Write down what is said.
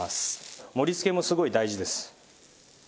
盛り付けもすごい大事です。